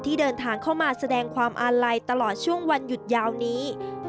เดินทางเข้ามาแสดงความอาลัยตลอดช่วงวันหยุดยาวนี้